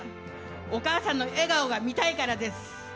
お母さんの笑顔が見たいからです。